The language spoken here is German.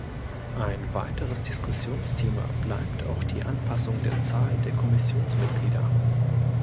Ein weiteres Diskussionsthema bleibt auch die Anpassung der Zahl der Kommissionsmitglieder.